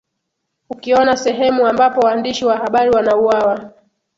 ukiona sehemu ambapo waandishi wa habari wanauwawa